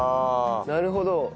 なるほど。